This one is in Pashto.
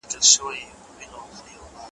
ورته یاد سي خپل اوږده لوی سفرونه ,